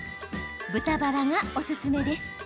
豚バラがおすすめです。